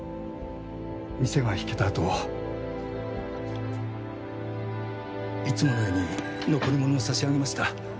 店が引けたあといつものように残り物を差し上げました。